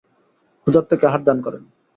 ক্ষুধার্তকে আহার দান করেন।